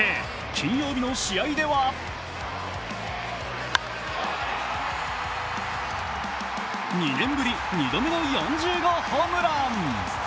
金曜日の試合では２年ぶり２度目の４０号ホームラン。